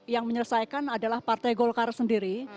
yang menyelesaikan adalah partai golkar sendiri